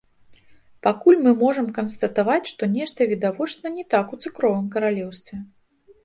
Пакуль мы можам канстатаваць, што нешта відавочна не так у цукровым каралеўстве.